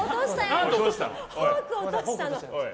フォーク落としました。